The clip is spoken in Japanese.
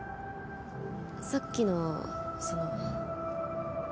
さっきのその。